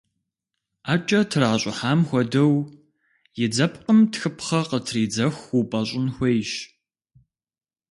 Ӏэкӏэ тращӏыхьам хуэдэу, и дзэпкъым тхыпхъэ къытридзэху упӏэщӏын хуейщ.